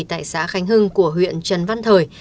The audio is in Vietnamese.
tại xã khánh hưng của huyện trần văn thời